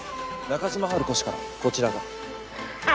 中島ハルコ氏からこちらが。